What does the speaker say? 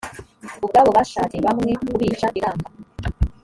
ubwabo bashatse bamwe kubica biranga